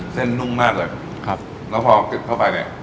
นุ่มมากเลยครับแล้วพอปิดเข้าไปเนี่ย